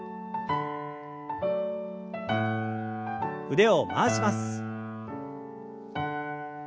腕を回します。